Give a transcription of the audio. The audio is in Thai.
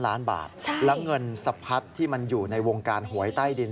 และเงินสะพัดที่มันอยู่ในวงการหวยใต้ดิน